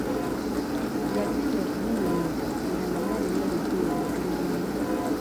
Yagenda okumunyumiza nga naye alina ebizibu bye ebimumala.